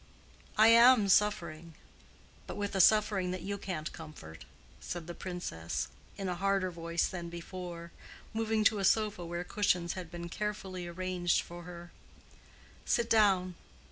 "I am suffering. But with a suffering that you can't comfort," said the Princess, in a harder voice than before, moving to a sofa where cushions had been carefully arranged for her. "Sit down."